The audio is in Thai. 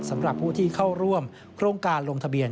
สำหรับผู้ที่เข้าร่วมโครงการลงทะเบียน